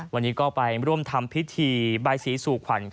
วันนี้ก็ไปร่วมทำพิธีบายสีสู่ขวัญ